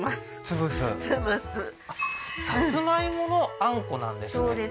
潰すさつまいものあんこなんですね